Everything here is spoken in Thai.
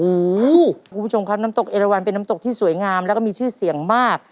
คุณผู้ชมครับน้ำตกเอราวันเป็นน้ำตกที่สวยงามแล้วก็มีชื่อเสียงมาก